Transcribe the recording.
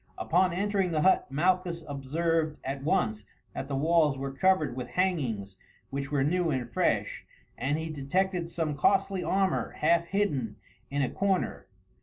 Upon entering the hut Malchus observed at once that the walls were covered with hangings which were new and fresh, and he detected some costly armour half hidden in a corner.